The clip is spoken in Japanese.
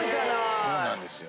そうなんですよ。